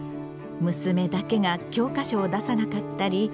娘だけが教科書を出さなかったり。